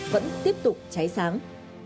vẫn tiếp tục cháy sáng